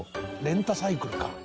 レンタサイクルか。